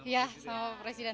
ya sama presiden